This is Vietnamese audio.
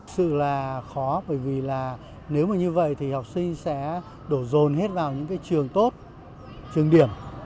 sự là khó bởi vì là nếu như vậy thì học sinh sẽ đổ rồn hết vào những trường tốt trường điểm